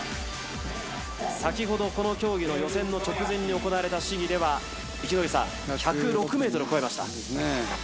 先ほどこの競技の予選の直前に行われた試技では、１０６メートルを超えました。